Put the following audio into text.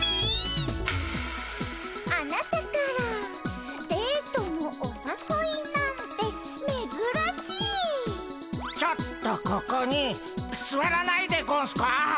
「あなたからデートのおさそいなんてめずらしい」「ちょっとここにすわらないでゴンスか」